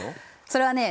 それはね